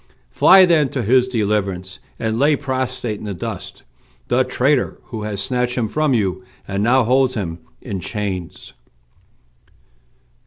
Fly then to his deliverance, and lay prostrate in the dust the traitor who has snatched him from you, and now holds him in chains!"